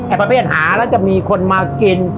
แอบประเภทหาน่าจะมีคนมากิน